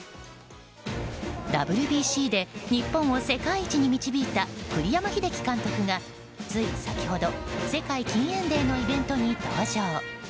ＷＢＣで日本を世界一に導いた栗山英樹監督がつい先ほど世界禁煙デーのイベントに登場。